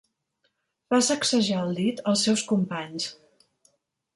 Va sacsejar el dit als seus companys.